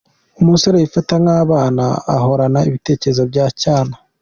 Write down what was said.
Umusore wifata nk’abana, uhorana ibitekerezo bya cyana.